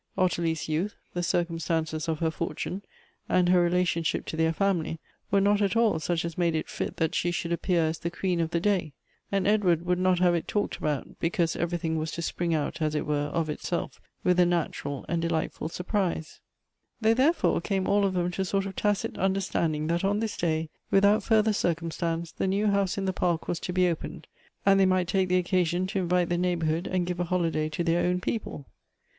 Ottilie's youth, the circumstances of her fortune, and her relationship to their family, were not at aU such as made it fit that she should appear as the queen of the day; and Edward would not have it talked about, because everything was to spring out, as it were, of itself, with a natural and delightful sur])rise. They, thei efoi e, came all of them to a sort of tacit un derstanding that on this day, without further circum stance, the new house in the park was to be opened, and they might take the occasion to invite the neighborhood and give a holiday to their own people.